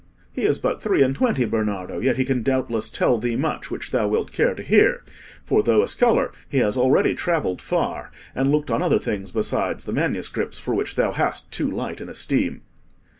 He is but three and twenty, Bernardo, yet he can doubtless tell thee much which thou wilt care to hear; for though a scholar, he has already travelled far, and looked on other things besides the manuscripts for which thou hast too light an esteem."